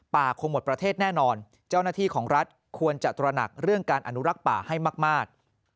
คงหมดประเทศแน่นอนเจ้าหน้าที่ของรัฐควรจะตระหนักเรื่องการอนุรักษ์ป่าให้มาก